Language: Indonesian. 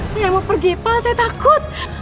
saya mau pergi pak saya takut